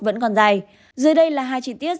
vẫn còn dài dưới đây là hai chi tiết